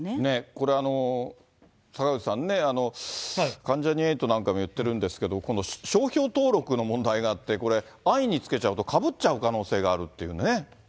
これ、坂口さんね、関ジャニ∞なんかも言ってるんですけれども、商標登録の問題があって、これ、安易に付けちゃうとかぶっちゃう可能性があるっていうね。